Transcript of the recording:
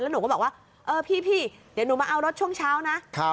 หนูก็บอกว่าเออพี่เดี๋ยวหนูมาเอารถช่วงเช้านะ